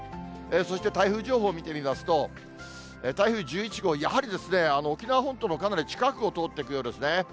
そして台風情報見てみますと、台風１１号、やはり沖縄本島のかなり近くを通っていくようですね。